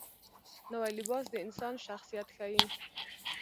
نوی لباس د انسان شخصیت ښیي